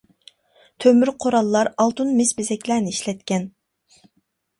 تۆمۈر قوراللار، ئالتۇن، مىس بېزەكلەرنى ئىشلەتكەن.